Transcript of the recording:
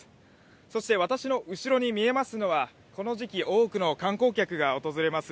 そして私の後ろに見えますのは、この時期多くの観光客が訪れます